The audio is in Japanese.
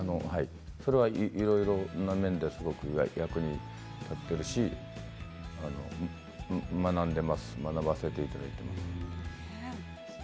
それは内面ですごく役に立っているし学んでいます学ばせていただいています。